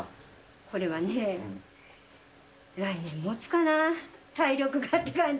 これはね、来年もつかなぁ、体力がって感じ。